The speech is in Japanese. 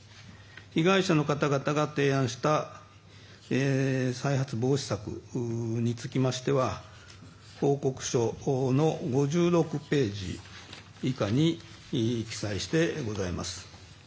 被害者の方々が提案した再発防止策につきましては報告書の５６ページ以下に記載してございます。